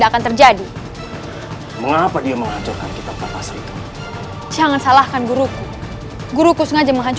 kapten reimelan pun juga sangat membosankankan iklimnya